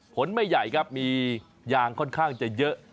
ผลไม่ใหญ่ครับมียางค่อนข้างจะเยอะ